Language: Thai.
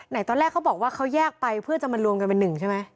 ตอนแรกเขาบอกว่าเขาแยกไปเพื่อจะมารวมกันเป็นหนึ่งใช่ไหม